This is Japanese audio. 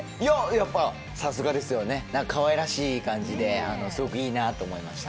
やっぱり、さすがですよね、かわいらしい感じですごくいいなと思いました。